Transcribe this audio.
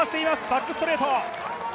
バックストレート。